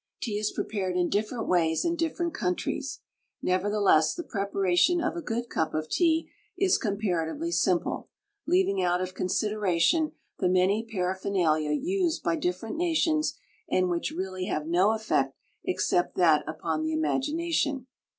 Tea is prepared in different ways in different countries, nevertheless the preparation of a good cup of tea is comparatively simple, leaving out of consideration the many paraphernalia used by different nations and which really have no effect except that upon the imagination.